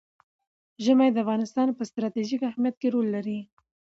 ژمی د افغانستان په ستراتیژیک اهمیت کې رول لري.